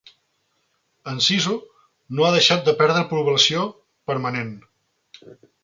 Enciso no ha deixat de perdre població permanent.